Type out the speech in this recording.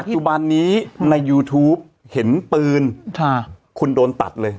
จุบันนี้ในยูทูปเห็นปืนคุณโดนตัดเลย